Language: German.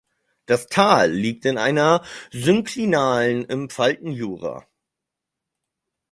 Das Tal liegt in einer Synklinalen im Faltenjura.